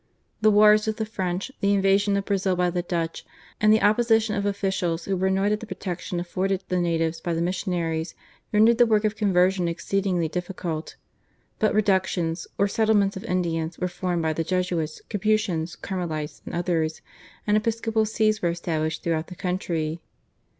The wars with the French, the invasion of Brazil by the Dutch, and the opposition of officials who were annoyed at the protection afforded the natives by the missionaries, rendered the work of conversion exceedingly difficult. But "reductions" or settlements of Indians were formed by the Jesuits, Capuchins, Carmelites, and others, and episcopal Sees were established throughout the country.